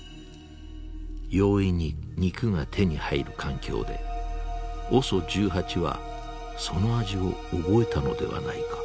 容易に肉が手に入る環境でＯＳＯ１８はその味を覚えたのではないか。